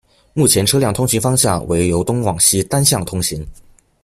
目前车辆通行方向为由东往西单向通行。